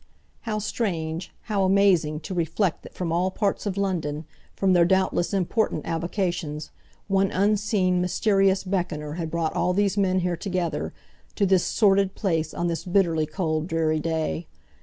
How strange, how amazing, to reflect that from all parts of London, from their doubtless important avocations, one unseen, mysterious beckoner had brought all these men here together, to this sordid place, on this bitterly cold, dreary day.